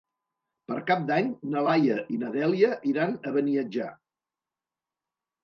Per Cap d'Any na Laia i na Dèlia iran a Beniatjar.